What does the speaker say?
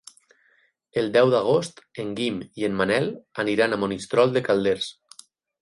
El deu d'agost en Guim i en Manel aniran a Monistrol de Calders.